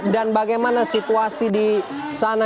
dan bagaimana situasi di sana